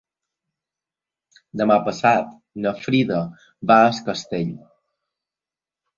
Demà passat na Frida va a Es Castell.